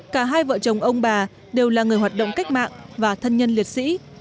cả hai vợ chồng ông bà đều là người hoạt động cách mạng và thân nhân liệt sĩ